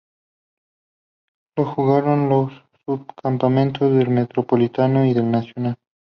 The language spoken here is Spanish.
Lo jugaron los subcampeones del Metropolitano y del Nacional.